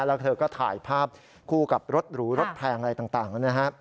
แล้วเธอก็ถ่ายภาพคู่กับรถหรูรถแพงอะไรต่างนะฮะ